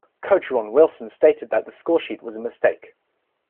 Coach Ron Wilson stated that the scoresheet was a mistake.